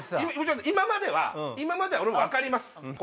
今までは今までは俺も分かります。